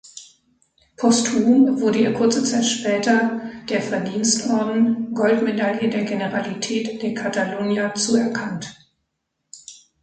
Posthum wurde ihr kurze Zeit später der Verdienstorden Goldmedaille der Generalitat de Catalunya zuerkannt.